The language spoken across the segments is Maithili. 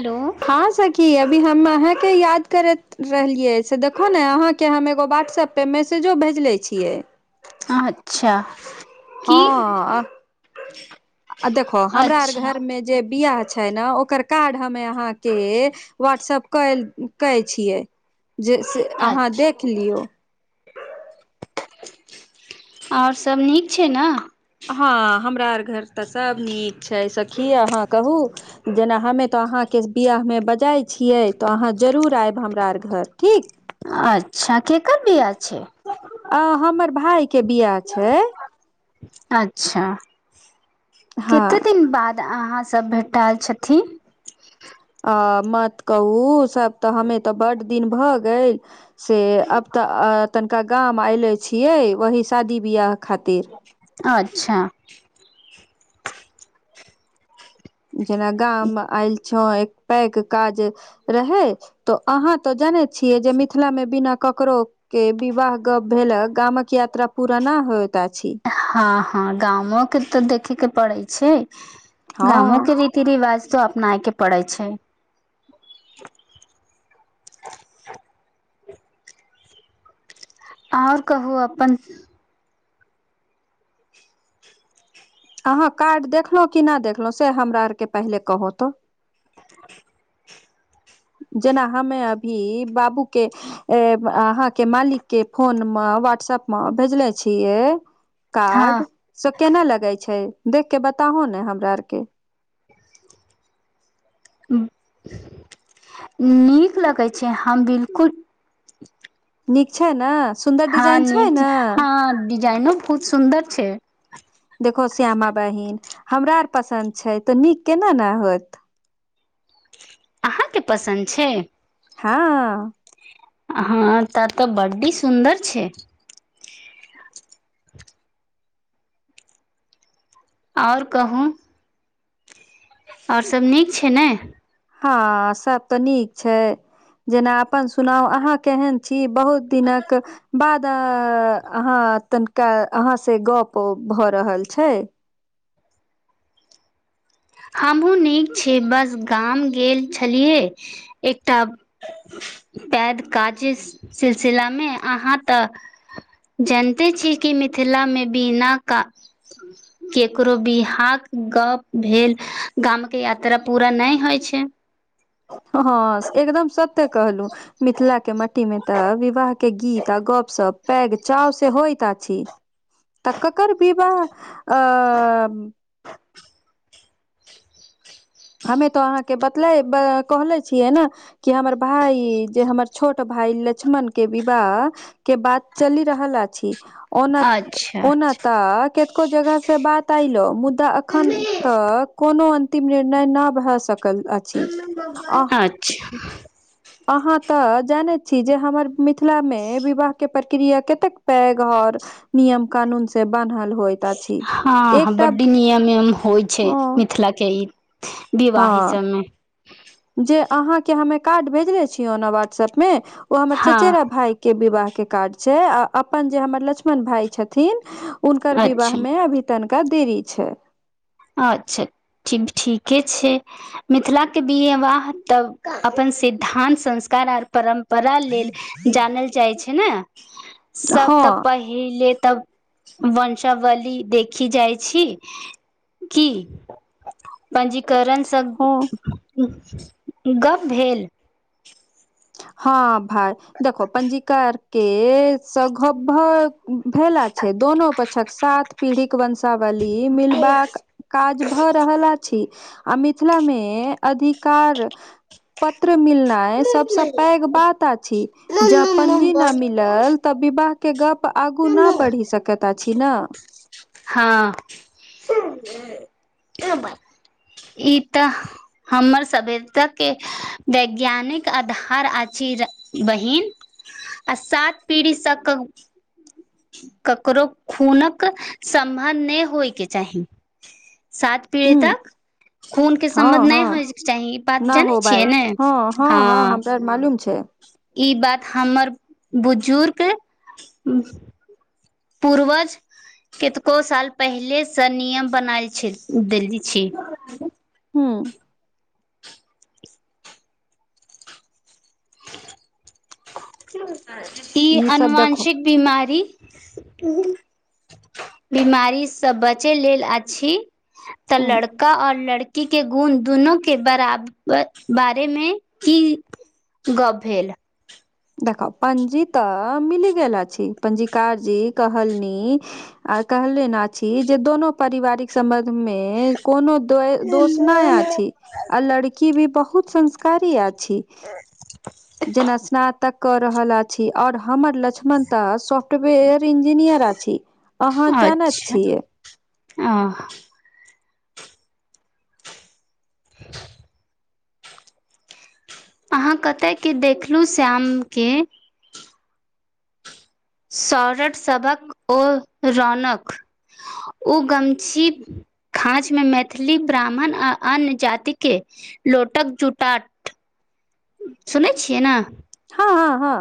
हेलो हँ सखी अभी हम अहाँके याद करैत रहलियै से देखो ने अहाँके हम एगो व्हाट्सऐप पे मैसेजो भेजलै छियै अच्छा की हँ अ देखो हमरा आर अच्छा घर मे जे बिहा छै ने ओकर कार्ड हमे अहाँके व्हाट्सप क कै छियै जे से आहाँ अच्छा देख लियौ ओर सब नीक छैय न हँ हमरा आर घर तऽ सभ नीक छैय सखी अहाँ कहु जेना हमे तऽ अहाँके बिआाह मे बजइ छियै तऽ अहाँ जरूर आयब हमरा आर घर ठीक अच्छा केकर बिआ छै अ हमर भााय के बिआ छैय अच्छा हँ केते दिन बाद तऽ अहाँ सब भेटाएल छथिन आ मत कहु सब तऽ हमे तऽ बड दिन भऽ गेल से अब तऽ तनिका गाम अयले छियै वही शादी बिआह खातिर अच्छा जेना गाम मे आयल छो एक पैक काज रहे तऽ अहाँ तऽ जनै छियै जे मिथिलामे बिना ककरो के विवाह गप भेले गामक यात्रा पूरा न होत आछी। हँ हँ गामक तऽ देखे के पड़े छै हँ गामो के रीत रीति रिवाज तऽ अपनाय के पड़ै छैय आओर कहु अपन। अहाँ कार्ड देखलहुँ कि ना देखलहुँ से हमरा आरके पहिले कहहो तो। जेना हमे अभी बाबू के। अहाँ के मालिकके फोनमे वहाट्सएप मे भेजले छीयै। कार्ड हँ से केनालगे छै देख के बताहो ने हमराआर के। नीक लगै छै हम बिलकुल। नीक छै न हँ नीक छै हँ डिजाइनो बहुत सुन्दर छै। देखो श्यामा बहिन हमराआर पसन्द छै त नीक केना ने होत। अहाँके पसन्द छै। हँऽ। हँ तऽ तऽ बडी सुन्दर छै। आओर कहु। आओर सब नीक छै ने। हँ सब त नीक छै। जेना अपन सुनाउ अहाँ केहन छी बहुत दिनक। बाद अहाँ तनिका अहाँ से गप भ रहल छै। हमहुँ नीक छी बस गाम गेल छलियै एकटा। बैद काजे सिलसिलामे अहाँ तऽ। जैनते छी कि मिथिलामे बिना का। केकरो विहाकऽ गप भेल। गाम के यात्रा पूरा नै होइ छै। हँ एकदम सत्य कहलु मिथिला के मट्टी में त विवाह। के गीत आ गप सप पैघ चाव से होइत अछि। तक ककर बिबाह अ। हमे तो अहाँके बतले कहले छियै न। कि हमर भाई जे हमर छोट भाई लक्ष्मण के विवाह। के बात चलि रहल अछि ओना अच्छा ओना त के। [unintelligible] जगह से बात आयल मुदा अखन तऽ कोनो अंतिम निर्ण। नय न भए सकल अछि। आ [unintelligible] अच्छा। अहाँ तऽ जानैत छी जे हमर मिथिलामे विवाह के प्रक्रिया कतेक पैघ आओर नियम कानून से बनहल होय त अ हँ बड्डी नियम एम होइ छै अ मिथिला के ई विवाही सब हँ मे। जे अहाँ के हमे कार्ड भेजने छियोना व्हाट्सएप में ओ हमर हँ सचेरा भाई। के विवाहके कार्ड आ अपन जे हमर लक्ष्मण भााय छथिन। उनकर विवाह अच्छा में अभी तनिका देरी छै। अच्छा ठिक ठीके छै। मिथिला के बीएवाह तब अपन सिद्धान्त संस्कार आर परम परा लेल जानल जाइ छै ने सब हँ तऽ पहि। एहिले तऽ वंशावली देखी जाइ छी। की पंजीकरण सब। हँ ईगप भेल। हँ भाई देखो पंजीकार के सँ गप भेला छै दोनो पक्षक सात पीढ़ी वंशा वली मिल बाक काज भऽ रहल अछी आ मिथिला मे अधिकार पत्र मिलल सबस पैघ बात अछि जह पंजी न मिलल तऽ विवाह के गप आगू न बढ़ि सकैत अछि नऽ हँ [inaudible] ई तऽ। हमर सभ्यता के वैज्ञानिक आधार अछि बहिन आ सात पीढ़ी सबके ककरो खूनक संबंध नय होयके चाही साथ पीड़ि हूँ ताक खूनके सम्बन्ध हँ नहि हँ होयके चाही ई बात न जनै हो छियै भाय ने हँ हँ हमरा मालूम छै ई बात हमर बुजुर्ग पूर्वज कतेको साल पहिलेसँ नियम बनाल छल देल छी हूँ ई सब देखो अनुवांशिक बीमारी बीमारी से बचे लेल अछि तऽ हूँ लड़का और लड़ के गुण दुनो के बराब बारेमे की गप भेल देख पंजी तऽ मिली गेल छी पंजीकार जी कहलनी आ कहलेन अछि जे दोनो पारिवारिक सम्बंध मे कोनो दोष नहि आ आ लड़की भी बहुत संस्कारी अछि छी जना स्नात त कऽ रहल अछि और हमर लक्ष्मणता सॉफ्टवेयर इंजीनियर अहाँ जानैत अच्छा छियै आ [unintelligible] [inaudible] अहाँ कतय के देखलु श्यामके सौरठ सबक ओ रौनकनक उ गमछी खाच मे मैथिली ब्राह्मण आ अन्य जाति के लोटक जुटा सुनै छियै ने हँ हँ हँ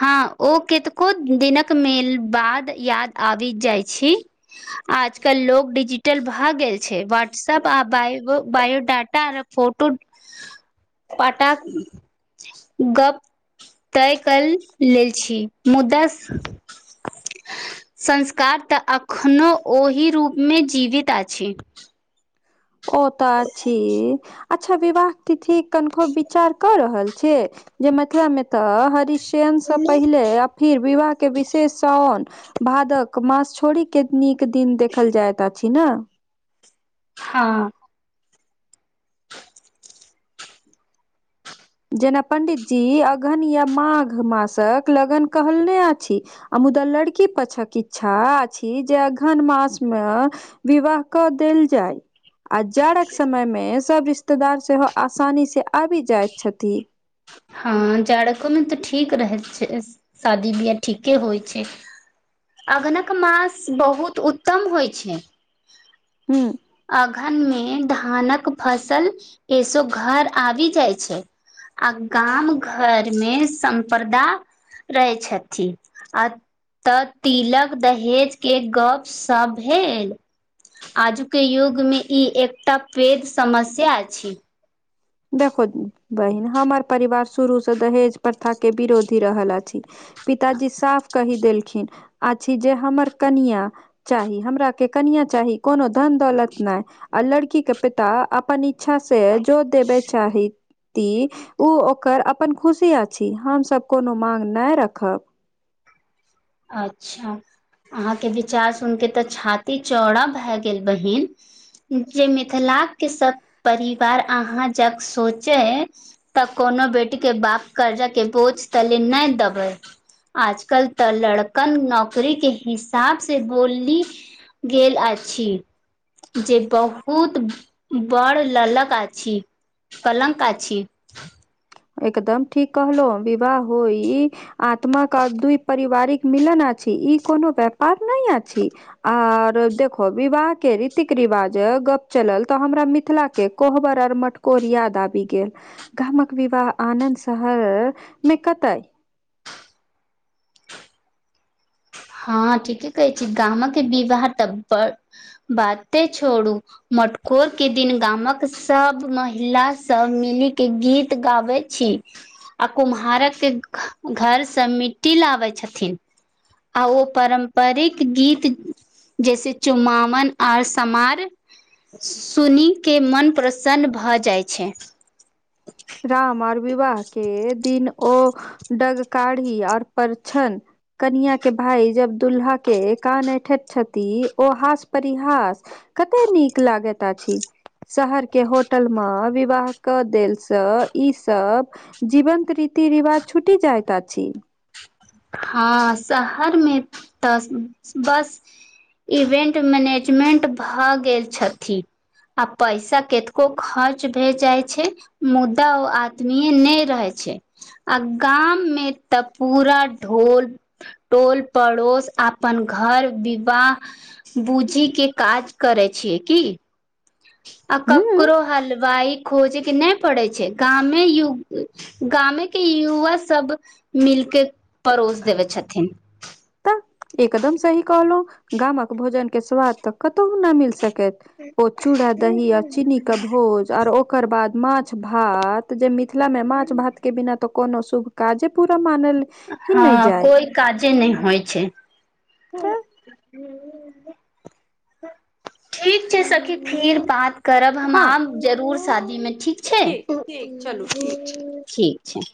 हँ ओ कतको दिनक मेल बाद याद आबि जाइ छी आजकल लोग डिजिटल भए गेल छै व्हाट्सएप आ ब बायोडाटा आ फोटो [inaudible] पाटा गप तय कल लेल छी मुद्दा स संस्कार तऽ एखनो ओहि रूपमे जीवित अछि ओ तऽ अछि अच्छा विवाह तिथि कनिको विचार कऽ रहल छै जे मिथिला मे तऽ हरीश चेन से पहिले य फिर विवाह के विशेष शान भादक मास छोड़ी के नीक दिन देखल जाइत अछि नै हँ जेना पंडित जी अगहन या माघ मासक लगन कहलने अछि आ मुद्दा लड़की पाछक इच्छा अछि जे अगहन मास मे विवाह कऽ देल जाइ आ जाड़क समय मे सब रिश्तेदार सेहो आसानी से आबि जाय छथि हँ जाारको में तऽ ठीक रहै छै शादी बियाह ठीके होइ छै अगनक मास बहुत उत्तम होइ छै हूँ अगहन मे धानक फसल एसो घर आब जाइ छै आ गाम घर मे सम्पदा रहै छथिन आ तऽ तिलक दहेज के गपसभ भेल आजु के युग मे ई एकटा पैघ समस्या अछि देखो बहिन हमर परिवार शुरू से दहेज प्रथा के विरोधी रहल अछि पिताजी साफ की देलखिन आछी जे हमर कनिया चाही हमरा के कनीआ चाही कोनो धन दौलत नय आ लड़की के पिता अपन इच्छा से जोर देबे चाही ती ओ ओकर अपन खुशी अछि हमसभ कोनो माँग नय रखब अच्छा अहाँ के विचार सुन के तऽ छाती चौड़ा भए गेल बहिन जे मिथिला के सभ परिवार अहाँ जक सोचैइ तऽ कोनो बेटी के बाप कर्जा के बोझ तले नय देबै आजकल तऽ लड़कन नौकररी के हिसाब से बोलि गेल अछि जे बहुत बड़ ललक आछी कलंक आछी एकदम ठीक कहलो विवाह हो ई आत्मा क दइ पारिवारिक मिलन आ छी ई कोनो व्यापार नय आछी आर देखो विवाह के रीतिक रिवाज गप चलल तऽ हमरा मिथिला के कोहबर आर मटकोर याद आबि गेल गामक विवाह आनद शहर मे कतइ हँ ठीके कहे छी गाम के विवाह त बढ़ बाते छोड़ू मटकोर के दिन गामक सब महिला सब मिली के गीत गाबे छी आ कुम्हारक के घर से मिट्टी लाबै छथिन आ ओ पारम्परिक गीत जैसे चु्मावन आऔर समार सुने के मोन प्रसन्न भऽ जाइ छै राम आऔर विवाह के दिन ओ डगकाढ़ी आऔर परछन कनिया के भााय जब दुूल्हा के कान ऐठत छथि ओ हास पररिहास कते नीक लागैत अछि शहर के होटल मे विवाह कऽ देल से ई सब जीवंत रीति रिवाज छूटि जाइत अछि हँ शहर मे तऽ बस इवेंट मैनेजमेंट भऽ गेल छथि आ पैसा कतको खर्च भए जाय छै मुद्दा ओ आत्मीय नय रहै छै आ गाम मे तऽ पूरा ढोल टोल पड़ोस अपन घर विवाह बूजी के काज करे छियै की आ हूँ ककरो हाल वाइ खोजे के नय पड़े छै गामे गामे के युवा सब मिलके परड़ोस देब छथिथिन तऽ एकदम सही कहलहुं गामक भोजन के स्वाद तऽ कतहु न मिल सकै ओ चूड़ा दही आ चीनी के भोज आर ओकर बाद माछ भात जे मिथिला में माछ भात के बिना तो कोनो शुभ काजे पूरा मानल ही नहि हँ जायत कोइ काजे नय होइ छै ठीक छै सखी फेर बात करब हम हँ आब जरूर शादी मे ठीक छै ठीक चलू ठीक छै